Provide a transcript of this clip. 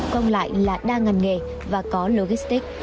còn lại là đa ngành nghề và có logistics